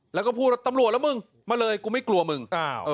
แล้วก็พูดว่าตำรวจแล้วมึงมาเลยกูไม่กลัวมึง